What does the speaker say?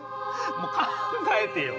もう考えてよ。